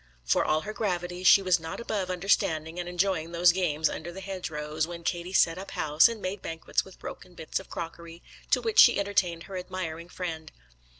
For all her gravity, she was not above understanding and enjoying those games under the hedgerows, when Katie set up house, and made banquets with broken bits of crockery, to which she entertained her admiring friend.